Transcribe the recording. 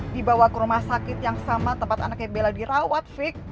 dibawa ke rumah sakit yang sama tempat anaknya bella dirawat fik